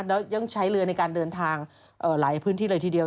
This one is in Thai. แล้วยังใช้เรือในการเดินทางหลายพื้นที่เลยทีเดียว